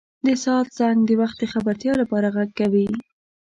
• د ساعت زنګ د وخت د خبرتیا لپاره ږغ کوي.